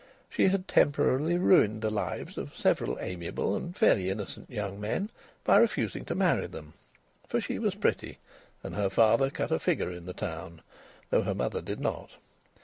She had temporarily ruined the lives of several amiable and fairly innocent young men by refusing to marry them. (For she was pretty, and her father cut a figure in the town, though her mother did not.)